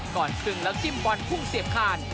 ซึงแล้วจิ้มบอลพุ่งเสียบคาน